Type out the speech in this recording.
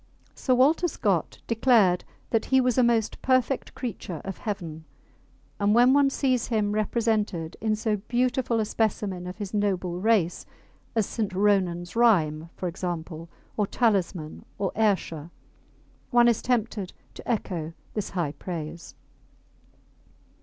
Sir Walter Scott declared that he was "a most perfect creature of heaven," and when one sees him represented in so beautiful a specimen of his noble race as St. Ronan's Rhyme, for example, or Talisman, or Ayrshire, one is tempted to echo this high praise.